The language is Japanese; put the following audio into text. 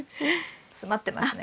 詰まってますね。